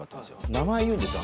名前言うんですよ